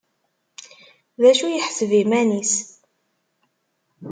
D acu i yeḥseb iman-is?